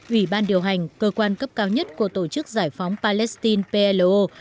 ủy ban điều hành cơ quan cấp cao nhất của tổ chức giải phóng palestine plo